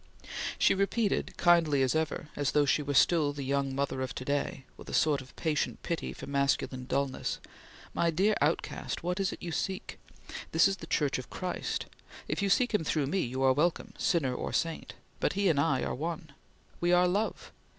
She replied, kindly as ever, as though she were still the young mother of to day, with a sort of patient pity for masculine dulness: "My dear outcast, what is it you seek? This is the Church of Christ! If you seek him through me, you are welcome, sinner or saint; but he and I are one. We are Love!